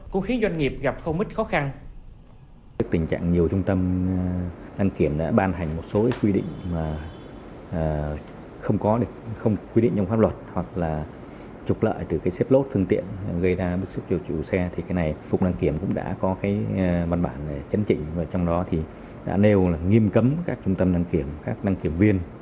cũng khi doanh nghiệp gặp không ít khó khăn